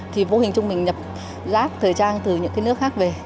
thì vô hình chúng mình nhập rác thời trang từ những nước khác về